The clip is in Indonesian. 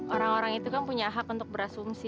orang orang itu kan punya hak untuk berasumsi